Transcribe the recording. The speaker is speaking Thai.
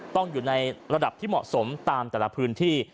อยู่ในระดับที่เหมาะสมตามแต่ละพื้นที่